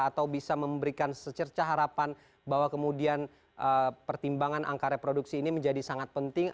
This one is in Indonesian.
atau bisa memberikan secerca harapan bahwa kemudian pertimbangan angka reproduksi ini menjadi sangat penting